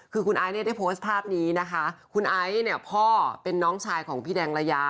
คือคุณไอซ์เนี่ยได้โพสต์ภาพนี้นะคะคุณไอซ์เนี่ยพ่อเป็นน้องชายของพี่แดงระยา